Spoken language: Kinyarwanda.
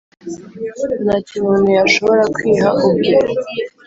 “Ntacyo umuntu yashobora kwiha ubwe